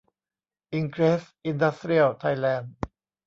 อิงเกรส อินดัสเตรียล ไทยแลนด์